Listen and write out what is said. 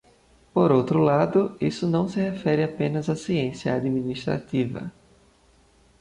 Por outro lado, isso não se refere apenas à ciência administrativa.